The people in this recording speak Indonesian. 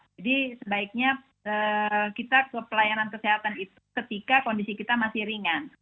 jadi sebaiknya kita ke pelayanan kesehatan itu ketika kondisi kita masih ringan